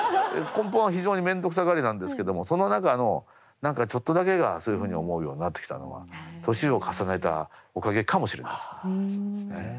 根本は非常にめんどくさがりなんですけどもその中の何かちょっとだけがそういうふうに思うようになってきたのは歳を重ねたおかげかもしれないですね。